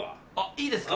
いいですか？